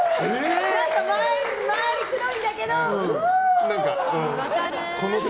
何か回りくどいんだけど。